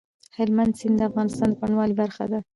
هلمند سیند د افغانستان د بڼوالۍ برخه ده.